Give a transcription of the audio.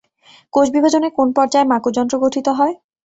কোষ বিভাজনের কোন পর্যায়ে মাকুযন্ত্র গঠিত হয়?